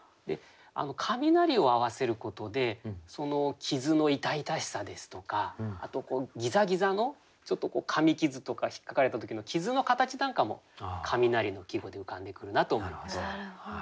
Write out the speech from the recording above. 「雷」を合わせることでその傷の痛々しさですとかあとギザギザのかみ傷とかひっかかれた時の傷の形なんかも「雷」の季語で浮かんでくるなと思いました。